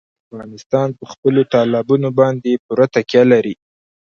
افغانستان په خپلو تالابونو باندې پوره تکیه لري.